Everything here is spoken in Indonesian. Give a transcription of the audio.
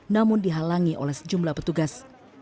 namun dihalangi oleh sejumlah petugas